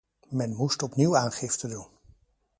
Men moest opnieuw aangifte doen.